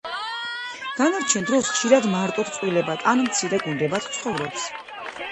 დანარჩენ დროს ხშირად მარტოდ, წყვილებად ან მცირე გუნდებად ცხოვრობს.